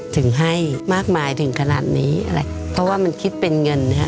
ถึงให้มากมายถึงขนาดนี้อะไรเพราะว่ามันคิดเป็นเงินฮะ